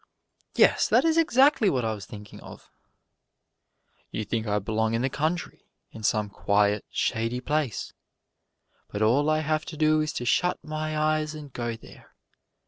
"Yes; that is exactly what I was thinking of!" "You think I belong in the country, in some quiet, shady place. But all I have to do is to shut my eyes and go there.